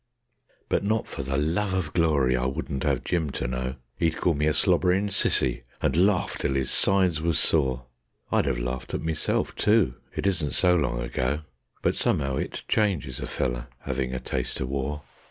But not for the love of glory I wouldn't 'ave Jim to know. 'E'd call me a slobberin' Cissy, and larf till 'is sides was sore; I'd 'ave larfed at meself too, it isn't so long ago; But some'ow it changes a feller, 'avin' a taste o' war.